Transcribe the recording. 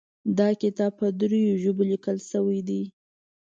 دا کتاب په دریو ژبو لیکل شوی ده